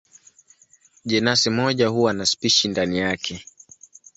Jenasi moja huwa na spishi ndani yake.